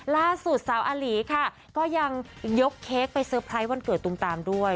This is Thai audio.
ล่าสุดสาวอาหลีค่ะก็ยังยกเค้กไปเตอร์ไพรส์วันเกิดตุมตามด้วย